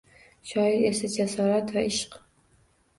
Shoir esa jasorat va ishq